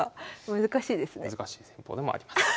難しい戦法でもあります。